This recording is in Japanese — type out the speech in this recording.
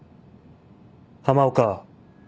浜岡。